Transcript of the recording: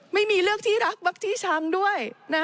ไม่มีเลือกที่รักวักจี้ช้ำด้วย